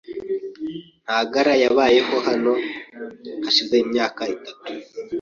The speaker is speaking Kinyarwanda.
Ntagara yabayeho hano hashize imyaka itatu.